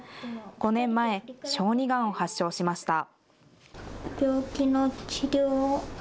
５年前、小児がんを発症しました。